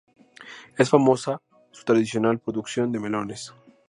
Es famosa su tradicional producción de melones.